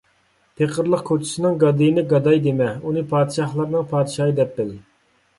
پېقىرلىق كوچىسىنىڭ گادىيىنى گاداي دېمە، ئۇنى پادىشاھلارنىڭ پادىشاھى دەپ بىل.